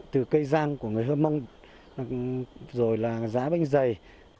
từ cây giang của người hơ mông rồi là giã bánh dày